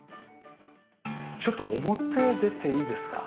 ちょっと表出ていいですか？